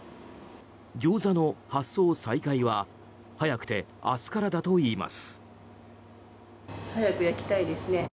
ギョーザの発送再開は早くて明日からだといいます。